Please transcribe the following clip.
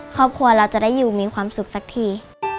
ครอบครัวเราจะได้อยู่มีความสุขสักที